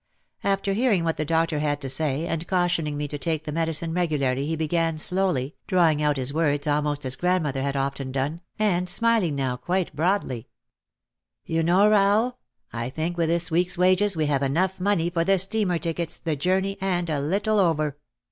After hearing what the doctor had had to say and cautioning me to take the medicine regu larly he began slowly, drawing out his words almost as grandmother had often done, and smiling now quite broadly, "You know, Rahel, I think with this week's wages we have enough money for the steamer tickets, the journey and a little over."